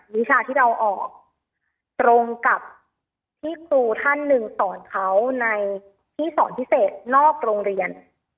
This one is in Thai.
วิชาที่เราออกตรงกับที่ครูท่านหนึ่งสอนเขาในที่สอนพิเศษนอกโรงเรียน